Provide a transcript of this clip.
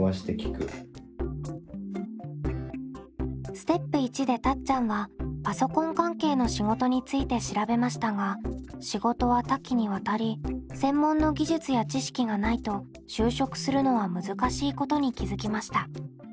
ステップ①でたっちゃんはパソコン関係の仕事について調べましたが仕事は多岐にわたり専門の技術や知識がないと就職するのは難しいことに気付きました。